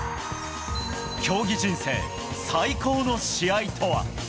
競技人生最高の試合とは。